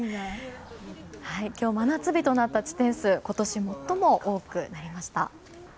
今日真夏日となった地点数は今年最も多くなりました。